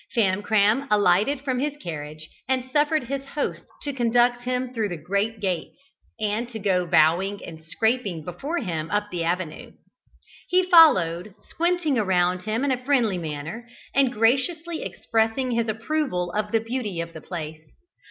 Famcram alighted from his carriage, and suffered his host to conduct him through the great gates, and to go bowing and scraping before him up the avenue. He followed, squinting around him in a friendly manner, and graciously expressing his approval of the beauty of the place.